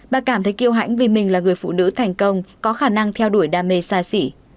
bà cảm thấy kêu hãnh vì mình là người phụ nữ thành công có khả năng theo đuổi đam mê xa xỉ